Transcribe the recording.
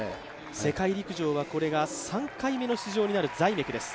世界陸上はこれが３回目の出場になるザイメクです。